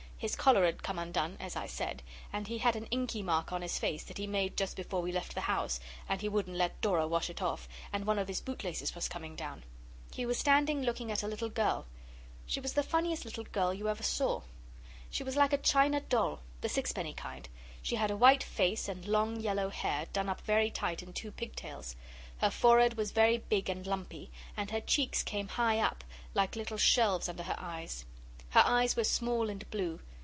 His collar had come undone, as I said, and he had an inky mark on his face that he made just before we left the house, and he wouldn't let Dora wash it off, and one of his bootlaces was coming down. He was standing looking at a little girl; she was the funniest little girl you ever saw. She was like a china doll the sixpenny kind; she had a white face, and long yellow hair, done up very tight in two pigtails; her forehead was very big and lumpy, and her cheeks came high up, like little shelves under her eyes. Her eyes were small and blue.